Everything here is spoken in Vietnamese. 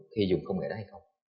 khi dùng công nghệ đó hay không